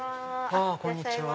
あっこんにちは。